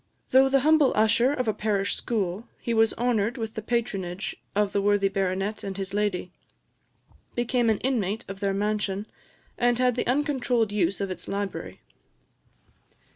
Though the humble usher of a parish school, he was honoured with the patronage of the worthy baronet and his lady, became an inmate of their mansion, and had the uncontrolled use of its library.